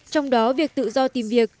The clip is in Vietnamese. trong đó việc tự do tìm việc